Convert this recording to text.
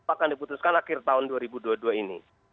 akan diputuskan akhir tahun dua ribu dua puluh dua ini